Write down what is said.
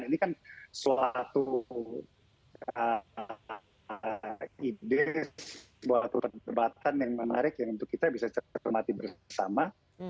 ini kan suatu ide buat perdebatan yang menarik yang untuk kita bisa cermati bersama